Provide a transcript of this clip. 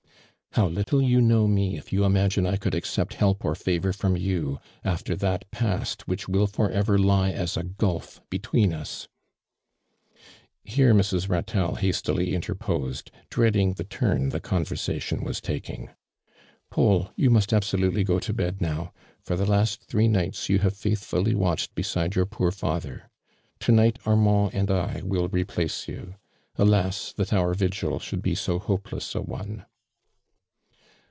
"How little you know me if you imagine I could accept help or favor from you, after that past which will for ever lie as a gulf between usl" Here Mrs. Ratelle hastily interposed, dreading the turn the conversation was taking. "Paul, yoii must absolutely go to bed now. For the last three nights you have faithfully watched beside your poor father. To night Armand and I will replace you. Alas I that our vigil should be so hopeless a one